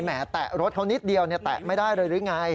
แหแตะรถเขานิดเดียวแตะไม่ได้เลยหรือไง